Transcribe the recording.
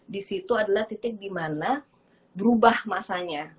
dc itu adalah titik dimana berubah masanya